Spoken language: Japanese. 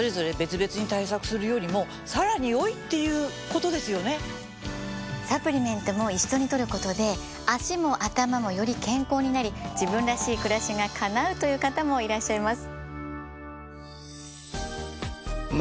つまりサプリメントも一緒に摂ることで脚も頭もより健康になり自分らしい暮らしがかなうという方もいらっしゃいます。